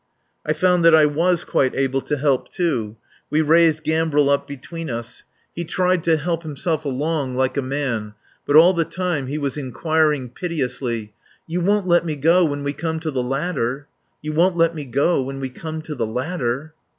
I found that I was quite able to help, too. We raised Gambril up between us. He tried to help himself along like a man but all the time he was inquiring piteously: "You won't let me go when we come to the ladder? You won't let me go when we come to the ladder?"